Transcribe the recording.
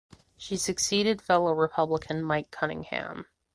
She succeeded fellow Republican Mike Cunningham.